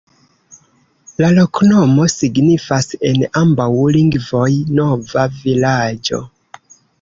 La loknomo signifas en ambaŭ lingvoj: nova vilaĝo.